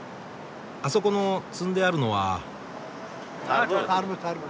あそこの積んであるのは。